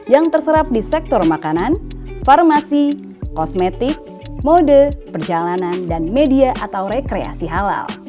yang terserap di sektor makanan farmasi kosmetik mode perjalanan dan media atau rekreasi halal